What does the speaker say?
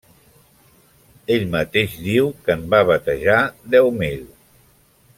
Ell mateix diu que en va batejar deu mil.